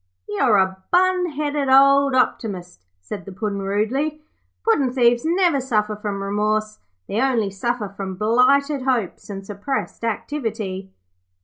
'You're a bun headed old optimist,' said the Puddin' rudely. 'Puddin' thieves never suffer from remorse. They only suffer from blighted hopes and suppressed activity.'